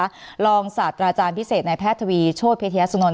ระรองสัตว์ราธารณพิเศษในแพทย์ทวีโชตเพธ๊ยสนล